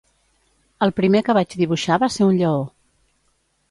El primer que vaig dibuixar va ser un lleó.